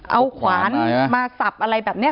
เอาขวานมาสับอะไรแบบนี้